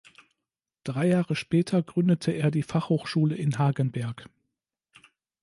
Drei Jahre später gründete er die Fachhochschule in Hagenberg.